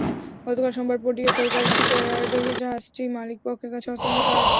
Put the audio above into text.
গতকাল সোমবার পটিয়ার কোলগাঁও শিপইয়ার্ডে জাহাজটি মালিকপক্ষের কাছে হস্তান্তর করা হয়।